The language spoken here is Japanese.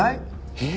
えっ？